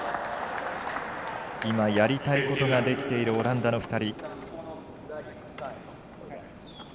今、やりたいことができているオランダの２人。